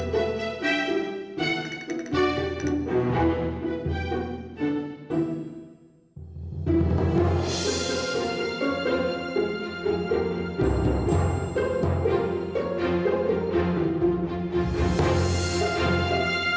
nah pasti kita datang dah